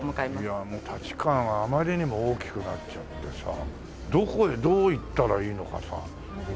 いやもう立川があまりにも大きくなっちゃってさどこへどう行ったらいいのかさ訳がわかんない。